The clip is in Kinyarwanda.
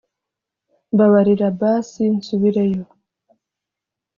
“mbabarira basi nsubireyo